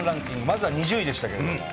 まずは２０位でしたけれども。